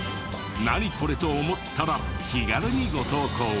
「ナニコレ？」と思ったら気軽にご投稿を。